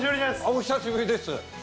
お久しぶりです。